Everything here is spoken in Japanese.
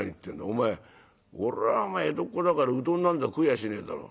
お前俺は江戸っ子だからうどんなんざ食いやしねえだろ」。